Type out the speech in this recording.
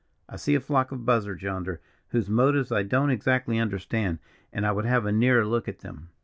I see a flock of buzzards yonder, whose motives I don't exactly understand, and I would have a nearer look at them."